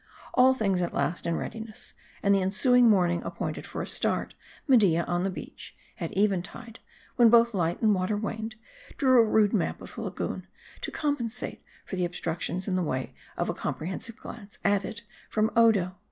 All things at last in readiness, and the ensuing morning appointed for a start, Media, on the beach, at eventide, when both light and water waned, drew a rude map of the lagoon, to compensate for the obstructions in the way of a compre hensive glance at it from Odo.